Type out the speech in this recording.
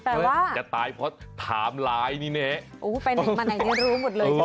แต่ว่าจะตายเพราะไทม์ไลน์นิเนะไปไหนมาไหนเนี่ยรู้หมดเลยใช่มั้ย